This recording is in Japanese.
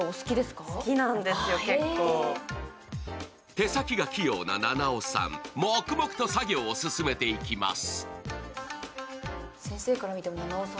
手先が器用な菜々緒さん、黙々と作業を進めていきます。